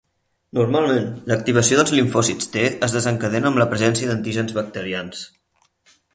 Normalment, l'activació dels limfòcits T es desencadena amb la presència d'antígens bacterians.